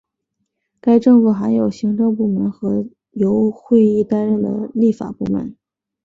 该政府含有行政部门和由议会担任的立法部门。